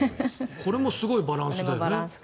これもすごいバランスだよね。